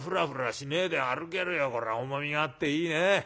これは重みがあっていいね。